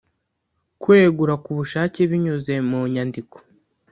Kwegura ku bushake binyuze mu nyandiko